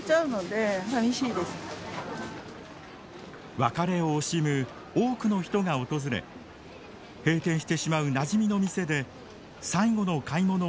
別れを惜しむ多くの人が訪れ閉店してしまうなじみの店で最後の買い物を楽しんでいました。